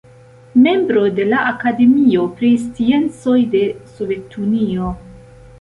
Membro de la Akademio pri Sciencoj de Sovetunio.